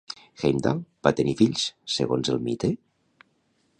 Heimdall va tenir fills, segons el mite?